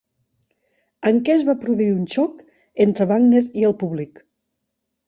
En què es va produir un xoc entre Wagner i el públic?